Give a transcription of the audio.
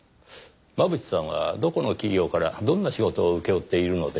真渕さんはどこの企業からどんな仕事を請け負っているのでしょう？